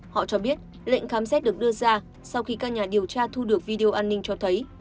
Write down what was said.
họ cho biết lệnh khám xét được đưa ra sau khi các nhà điều tra thu được video an ninh cho thấy